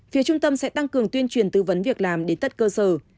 phía trung tâm sẽ tăng cường tuyên truyền tư vấn việc làm đến tất cơ sở